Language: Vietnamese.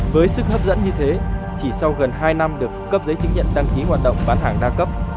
với sức hấp dẫn như thế chỉ sau gần hai năm được cấp giấy chứng nhận đăng ký hoạt động bán hàng đa cấp